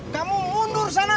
kamu mundur sana